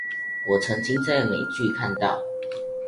我曾經在美劇看到